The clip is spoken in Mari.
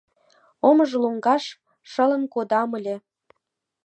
Омыж лоҥгаш шылын кодам ыле.